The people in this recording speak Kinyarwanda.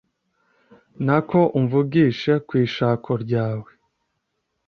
Nako umvugishe kw’ishako ryawe